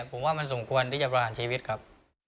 ผมว่ามันสมควรที่จะประหารชีวิตครับ